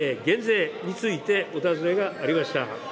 分配と消費税減税についてお尋ねがありました。